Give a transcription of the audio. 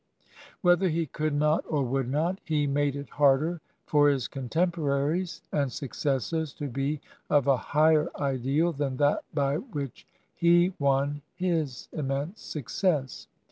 Whether he could not or would not, he made it harder for his contemporaries and successors to be of a higher ideal than that by which he won his immense success.